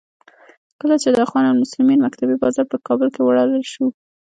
کله چې د اخوان المسلمین مکتبې بازار په کابل کې ولړل شو.